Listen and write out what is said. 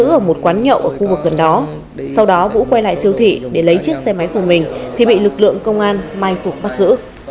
vũ đã bỏ xe máy vào một quán nhậu ở khu vực gần đó sau đó vũ quay lại siêu thị để lấy chiếc xe máy của mình thì bị lực lượng công an mai phục bắt giữ